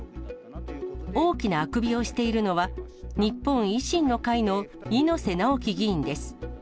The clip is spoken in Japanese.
大きなあくびをしているのは、日本維新の会の猪瀬直樹議員です。